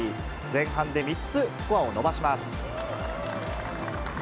前半で３つ、スコアを伸ばします。